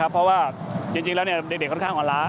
เพราะว่าจริงแล้วเด็กค่อนข้างอ่อนล้า